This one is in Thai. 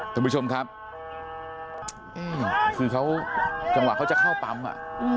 ท่านผู้ชมครับคือเขาจังหวะเขาจะเข้าปั๊มอ่ะ